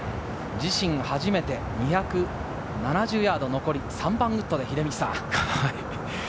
自身初めて２７０ヤード、残り３番ウッドで、秀道さん。